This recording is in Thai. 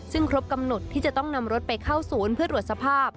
ซึ่งครบกำหนดที่จะต้องนำรถไปเข้าศูนย์เพื่อตรวจสภาพ